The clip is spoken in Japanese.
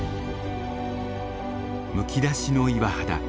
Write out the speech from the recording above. むき出しの岩肌。